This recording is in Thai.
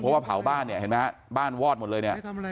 เพราะว่าเผาบ้านเนี่ยเห็นไหมฮะบ้านวอดหมดเลยเนี่ย